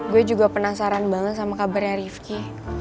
gue juga penasaran banget sama kabarnya rifki